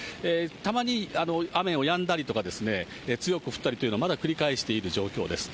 たまに雨がやんだりとか、強く降ったりというのをまだ繰り返している状況です。